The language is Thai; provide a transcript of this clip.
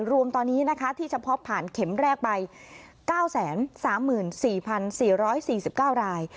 รวมตอนนี้นะคะที่เฉพาะผ่านเข็มแรกไป๙๓๔๔๔๙ราย